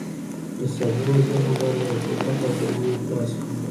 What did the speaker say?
د سبو زېرمه باید له رطوبت او ګرمۍ خلاصه وي.